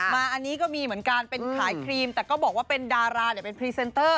มาอันนี้ก็มีเหมือนกันเป็นขายครีมแต่ก็บอกว่าเป็นดาราเนี่ยเป็นพรีเซนเตอร์